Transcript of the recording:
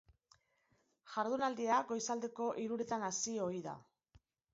Jardunaldia goizaldeko hiruretan hasi ohi da.